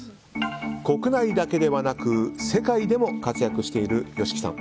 国内だけではなく世界でも活躍しているＹＯＳＨＩＫＩさん。